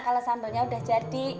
kalau sambelnya udah jadi